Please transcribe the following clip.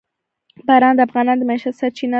باران د افغانانو د معیشت سرچینه ده.